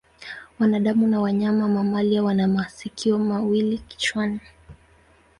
Wanadamu na wanyama mamalia wana masikio mawili kichwani.